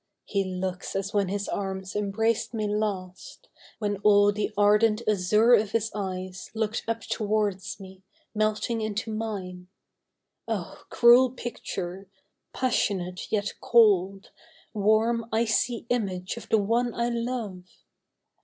• He looks as when his arms embraced me last, When all the ardent azure of his eyes Look'd up towards me, melting into mine. Oh ! cruel picture ! passionate yet cold, Warm icy image of the one I love